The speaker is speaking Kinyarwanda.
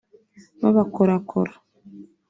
babakorakora